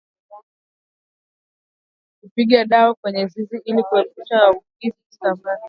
Kupiga dawa kwenye zizi ili kuepusha maambukizi kusambaa